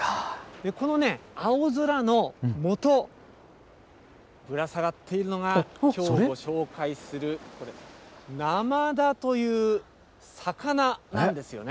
この青空の下、ぶら下がっているのが、きょうご紹介するこれ、ナマダという魚なんですよね。